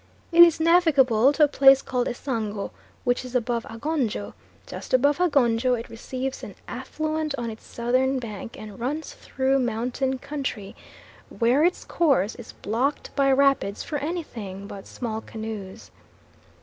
It is navigable to a place called Isango which is above Agonjo; just above Agonjo it receives an affluent on its southern bank and runs through mountain country, where its course is blocked by rapids for anything but small canoes.